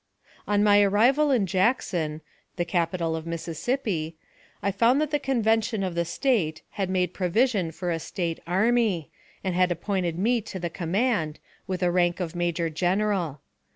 On my arrival at Jackson, the capital of Mississippi, I found that the Convention of the State had made provision for a State army, and had appointed me to the command, with the rank of major general.